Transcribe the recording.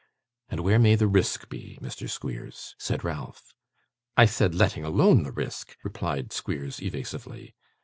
'And where may the risk be, Mr. Squeers?' said Ralph. 'I said, letting alone the risk,' replied Squeers, evasively.